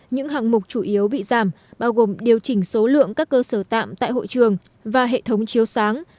những hạng mục chủ yếu bị giảm bao gồm điều chỉnh số lượng các cơ sở tạm tại hội trường và hệ thống chiếu sáng